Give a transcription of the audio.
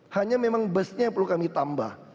hanya memang busnya yang perlu kami tambah